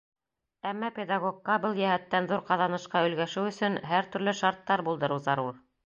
Әммә педагогка был йәһәттән ҙур ҡаҙанышҡа өлгәшеү өсөн һәр төрлө шарттар булдырыу зарур.